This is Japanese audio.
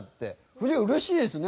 藤ヶ谷うれしいですね。